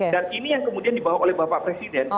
dan ini yang kemudian dibawa oleh bapak presiden